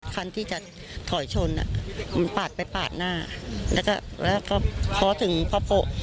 คันที่จะถอยชนอ่ะมันปาดไปปาดหน้าแล้วก็พอถึงพอโปะ